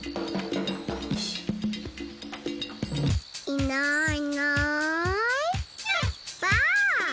いないいないばあっ！